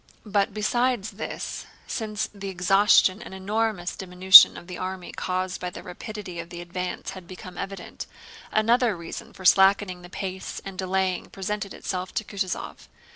But besides this, since the exhaustion and enormous diminution of the army caused by the rapidity of the advance had become evident, another reason for slackening the pace and delaying presented itself to Kutúzov.